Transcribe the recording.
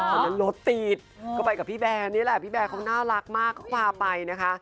ตอนนั้นรถติดก็ไปกับพี่แบร์นี่แหละพี่แบร์เขาน่ารักมากเขาพาไปนะคะ